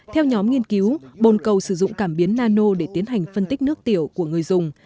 theo nhóm nghiên cứu bồn cầu sử dụng cảm biến nano để tiến hành phân tích nước tiểu của người dùng